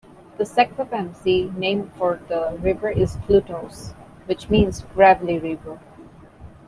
The Secwepemc name for the river is Kluhtows, which means "gravelly river".